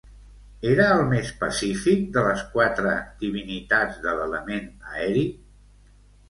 Era el més pacífic de les quatre divinitats de l'element aeri?